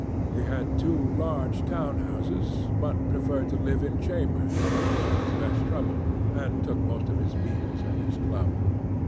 He had two large town houses, but preferred to live in chambers as it was less trouble, and took most of his meals at his club.